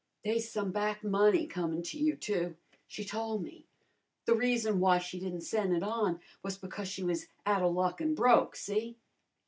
They's some back money comin' to you, too. She tole me. The reason w'y she didn't sen' it on was because she was out of luck an' broke, see?"